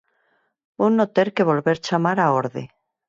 Vouno ter que volver chamar á orde.